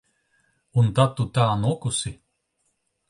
Un tad tu tā nokusi?